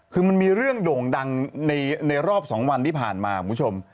คือมันมีเรื่องโด่งดังในรอบ๒วันที่ผ่านมาคุณผู้ชม